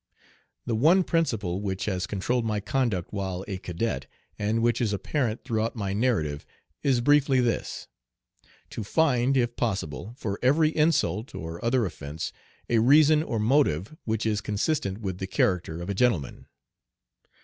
The one principle which has controlled my conduct while a cadet, and which is apparent throughout my narrative, is briefly this: to find, if possible, for every insult or other offence a reason or motive which is consistent with the character of a gentleman.